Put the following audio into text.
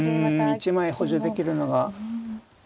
うん１枚補助できるのが。